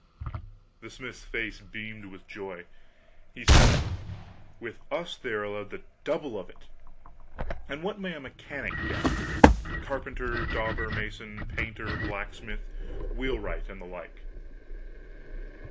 The smith's face beamed with joy. He said: "With us they are allowed the double of it! And what may a mechanic get carpenter, dauber, mason, painter, blacksmith, wheelwright, and the like?"